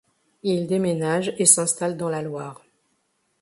Il déménage et s'installe dans la Loire.